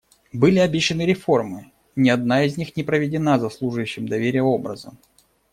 Были обещаны реформы; ни одна из них не проведена заслуживающим доверия образом.